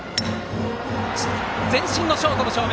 前進のショートの正面。